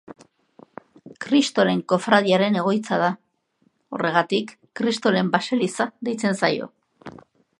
Kristoren kofradiaren egoitza da, horregatik Kristoren baseliza deitzen zaio.